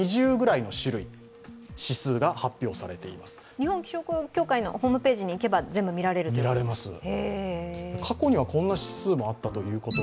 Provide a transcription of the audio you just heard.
日本気象協会のホームページに行けば全部見られるんですね。